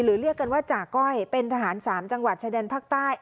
หรือเรียกกันว่าจ่าก้อยเป็นทหารสามจังหวัดชะแดนภาคใต้